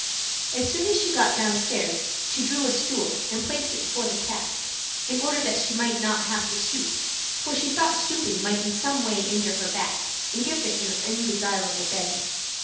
As soon as she got downstairs she drew a stool and placed it before the cask, in order that she might not have to stoop, for she thought stooping might in some way injure her back and give it an undesirable bend.